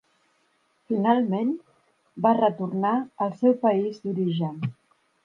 Finalment, va retornar al seu país d'origen.